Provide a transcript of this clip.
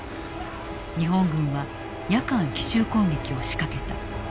日本軍は夜間奇襲攻撃を仕掛けた。